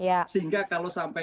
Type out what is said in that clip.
iya sehingga kalau sampai